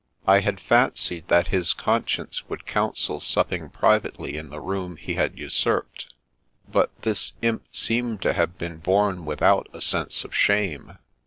I had fancied that his conscience would counsel supping privately in the room he had usurped, but this imp seemed to have been born without a sense of shame.